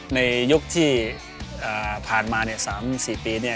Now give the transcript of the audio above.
ในยุคที่ผ่านมาเนี่ย๓๔ปีเนี่ย